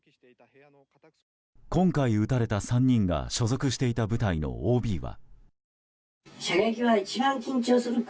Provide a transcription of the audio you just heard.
今回撃たれた３人の所属していた部隊のＯＢは。